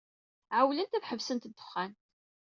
Ɛewwlent ad ḥebsent ddexxan.